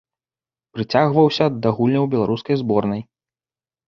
Прыцягваўся да гульняў беларускай зборнай.